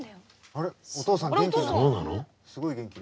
あれお父さん元気に。